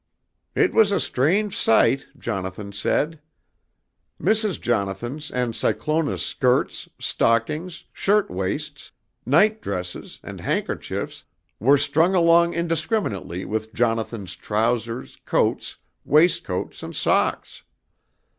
"'It was a strange sight,' Jonathan said. "Mrs. Jonathan's and Cyclona's skirts, stockings, shirt waists, night dresses and handkerchiefs were strung along indiscriminately with Jonathan's trousers, coats, waistcoats and socks.